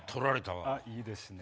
あっいいですね。